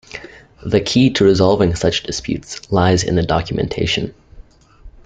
The key to resolving such disputes lies in the documentation.